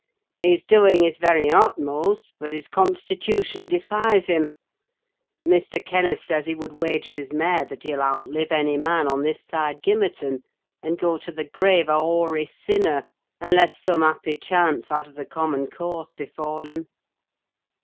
"He's doing his very utmost; but his constitution defies him. Mr. Kenneth says he would wager his mare that he'll outlive any man on this side Gimmerton, and go to the grave a hoary sinner; unless some happy chance out of the common course befall him."